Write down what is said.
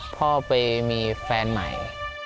พ่อไปมีแฟนใหม่